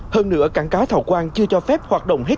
hơn nữa cảng cá thọ quang chưa cho phép hoạt động hết